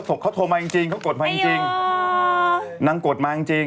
อันนี้เค้าโทรมาจริงเค้ากดมาจริงนั่งกดมาจริง